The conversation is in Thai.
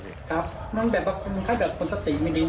ครับมันแบบคนทับสินไม่ดีนะครับ